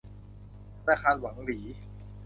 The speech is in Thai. ธนาคารหวั่งหลี